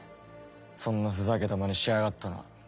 そんなふざけたマネしやがったのは。